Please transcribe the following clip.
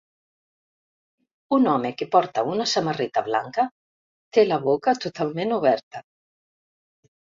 Un home que porta una samarreta blanca té la boca totalment oberta.